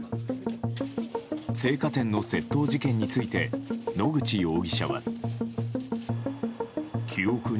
青果店の窃盗事件について野口容疑者は。